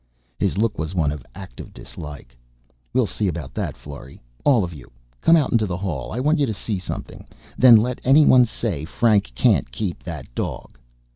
His look was one of active dislike. "We'll see about that, Florry. All of you, come out into the hall. I want you to see something. Then let anyone say Frank can't keep that dog!"